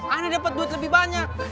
anda dapat duit lebih banyak